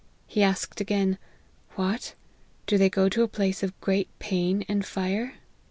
He asked again, ' What ? do they go to a place of great pain and fire